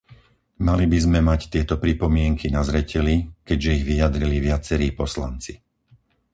Mali by sme mať tieto pripomienky na zreteli, keďže ich vyjadrili viacerí poslanci.